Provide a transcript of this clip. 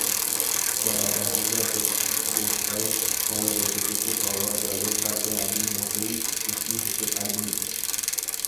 বলাবাহুল্য, এতক্ষণের চেষ্টায় ফল যতটুকু পাওয়া গেল তাতে আমি মোটেই খুশি হতে পারিনি।